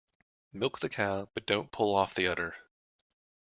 Milk the cow but don't pull off the udder.